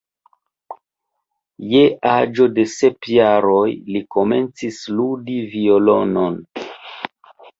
Je aĝo de sep jaroj li komencis ludi violonon.